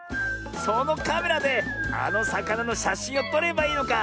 そのカメラであのさかなのしゃしんをとればいいのか。